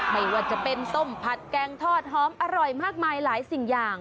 ไม่ว่าจะเป็นส้มผัดแกงทอดหอมอร่อยมากมายหลายสิ่งอย่าง